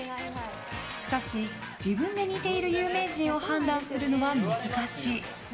しかし、自分で似ている有名人を判断するのは難しい。